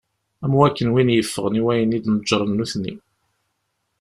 Am wakken win yeffɣen i wayen i d-neǧǧren nutni.